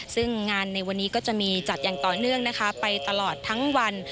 ซึ่งงานในวันนี้ก็จะมีจัดอย่างต่อเนื่องนะคะไปตลอดทั้งวัน